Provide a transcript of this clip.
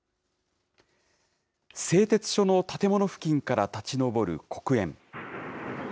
製鉄所の建物付近から立ち上る黒煙。